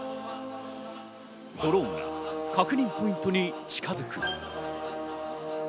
ドローンが確認ポイントに近づく。